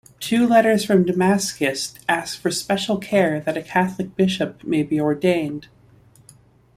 Two letters from Damasus asked for special care that a Catholic bishop maybe ordained.